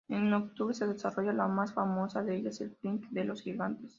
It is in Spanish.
En octubre se desarrolla la más famosa de ellas, el prix de los Gigantes.